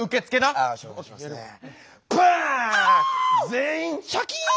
全員シャキーン！